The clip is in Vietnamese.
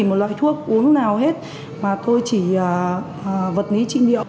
một loại thuốc uống nào hết mà tôi chỉ vật lý trị liệu